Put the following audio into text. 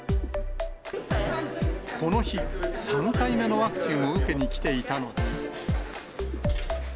この日、３回目のワクチンを受けに来ていたのです。